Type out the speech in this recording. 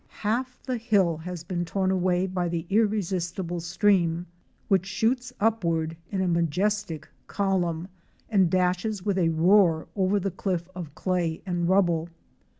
Half the hill has been torn away by the irresistible stream, which shoots upward in a majestic column and dashes with a roar against the cliff of clay and rubble.